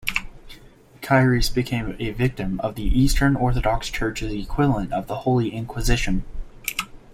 Kairis became a victim of the Eastern Orthodox Church's equivalent of the Holy Inquisition.